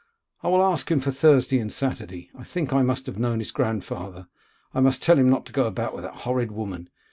'I will ask him for Thursday and Saturday. I think I must have known his grandfather. I must tell him not to go about with that horrid woman.